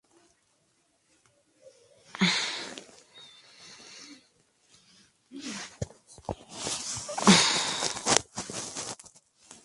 Suele servirse cortada en finas rodajas.